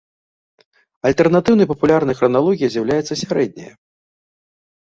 Альтэрнатыўнай папулярнай храналогіяй з'яўляецца сярэдняя.